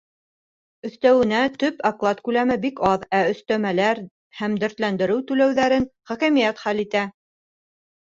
Өҫтәүенә, төп оклад күләме бик аҙ, ә өҫтәмәләр һәм дәртләндереү түләүҙәрен хакимиәт хәл итә.